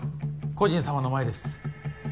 故人様の前です。